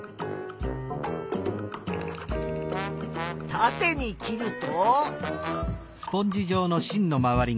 たてに切ると。